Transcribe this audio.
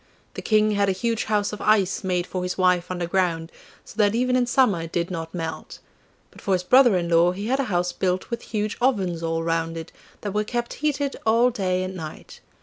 The King had a huge house of ice made for his wife underground, so that even in summer it did not melt. But for his brother in law he had a house built with huge ovens all round it, that were kept heated all day and night.